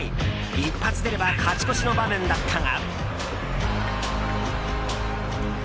一発出れば勝ち越しの場面だったが。